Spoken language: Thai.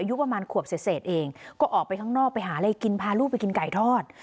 อายุประมาณขวบเศษเองก็ออกไปข้างนอกไปหาอะไรกินพาลูกไปกินไก่ทอด